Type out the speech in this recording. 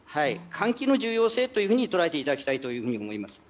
換気の重要性と捉えていただきたいと思います。